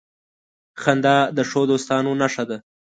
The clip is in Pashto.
• خندا د ښو دوستانو نښه ده.